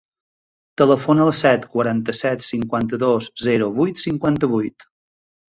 Telefona al set, quaranta-set, cinquanta-dos, zero, vuit, cinquanta-vuit.